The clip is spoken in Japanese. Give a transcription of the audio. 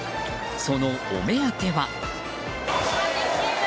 そのお目当ては。